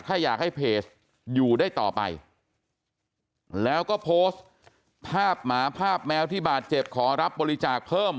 ถ้าอยากให้เพจอยู่ได้ต่อไปแล้วก็โพสต์ภาพหมาภาพแมวที่บาดเจ็บขอรับบริจาคเพิ่ม